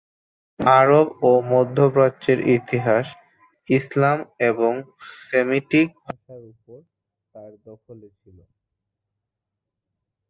আরব ও মধ্যপ্রাচ্যের ইতিহাস, ইসলাম এবং সেমিটিক ভাষার উপর তার দখলে ছিল।